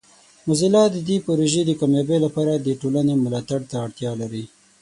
موزیلا د دې پروژې د کامیابۍ لپاره د ټولنې ملاتړ ته اړتیا لري.